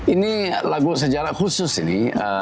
ini lagu sejarah khusus ini